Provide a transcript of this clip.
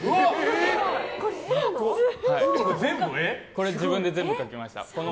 これ自分で全部描きました。